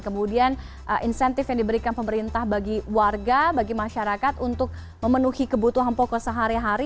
kemudian insentif yang diberikan pemerintah bagi warga bagi masyarakat untuk memenuhi kebutuhan pokok sehari hari